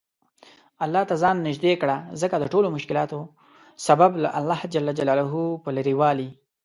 الله ته ځان نیژدې کړه ځکه دټولومشکلاتو سبب له الله ج په لرې والي